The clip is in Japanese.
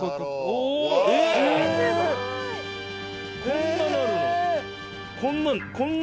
こんなん。